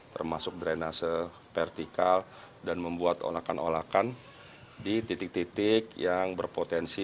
termasuk drenase vertikal dan membuat olakan olakan di titik titik yang berpotensi